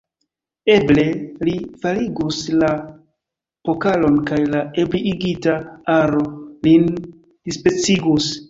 Eble, li faligus la pokalon kaj la ebriigita aro lin dispecigus.